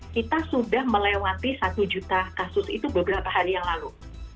kita sudah melewati satu juta kasus itu beberapa hari yang lalu